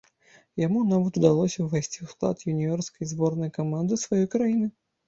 Яму нават удалося ўвайсці ў склад юніёрскай зборнай каманды сваёй краіны.